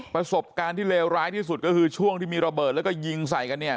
ประสบการณ์ที่เลวร้ายที่สุดก็คือช่วงที่มีระเบิดแล้วก็ยิงใส่กันเนี่ย